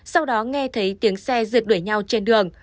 sau đó nghe thấy tiếng xe rượt đuổi nhau trên đường